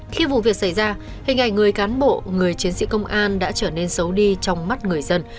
khi vụ việc xảy ra hình ảnh người cán bộ người chiến sĩ công an đã trở nên xấu đi trong mắt người dân